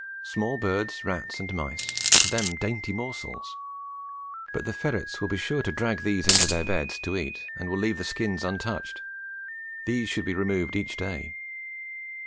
Small birds, rats and mice are to them dainty morsels, but the ferrets will be sure to drag these into their beds to eat and will leave the skins untouched; these should be removed each day.